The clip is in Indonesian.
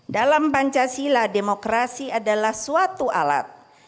dalam pancasila demokrasi adalah suatu alat